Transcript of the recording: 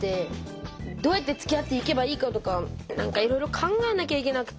どうやってつきあっていけばいいかとかなんかいろいろ考えなきゃいけなくて。